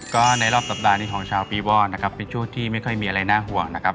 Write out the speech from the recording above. ก็ในรอบสัปดาห์นี้ของชาวปีวอนนะครับเป็นช่วงที่ไม่ค่อยมีอะไรน่าห่วงนะครับ